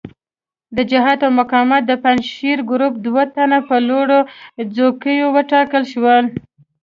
د جهاد او مقاومت د پنجشیري ګروپ دوه تنه په لوړو څوکیو وټاکل شول.